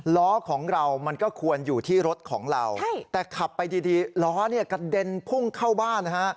ล้อของเรามันก็ควรอยู่ที่รถของเราแต่ขับไปดีล้อเนี่ยกระเด็นพุ่งเข้าบ้านนะฮะ